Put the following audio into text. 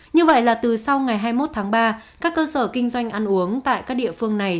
như vậy là từ sau ngày hai mươi một tháng ba các cơ sở kinh doanh ăn uống tại các địa phương này